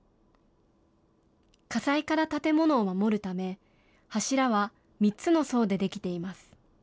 火災から建物を守るため、柱は３つの層で出来ています。